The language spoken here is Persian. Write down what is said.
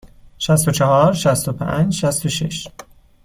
شصت و چهار، شصت و پنج، شصت و شش.